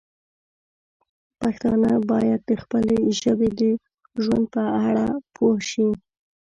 پښتانه باید د خپلې ژبې د ژوند په اړه پوه شي.